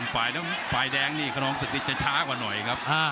ไฟล์แดงนี่ขนองศิษย์นี่จะช้ากว่าหน่อยครับ